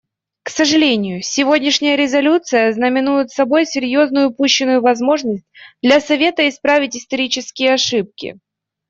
К сожалению, сегодняшняя резолюция знаменует собой серьезную упущенную возможность для Совета исправить исторические ошибки.